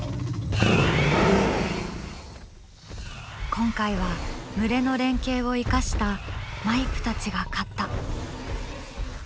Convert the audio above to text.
今回は群れの連携を生かしたマイプたちが勝った。